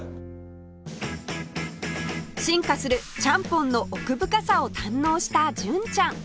進化するちゃんぽんの奥深さを堪能した純ちゃん